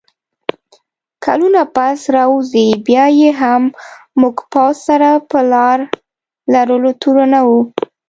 کلونه پس راووځي، بیا یې هم موږ پوځ سره په لار لرلو تورنوو